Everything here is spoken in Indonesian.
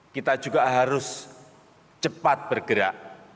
kita juga harus cepat bergerak